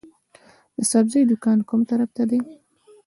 د سبزۍ دکان کوم طرف ته دی؟